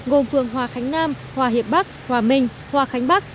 gồm phường hòa khánh nam hòa hiệp bắc hòa minh hòa khánh bắc